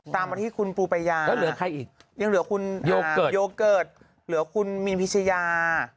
ตามมาที่คุณปูปายายังเหลือคุณโยเกิร์ตหรือคุณมีนพิชยา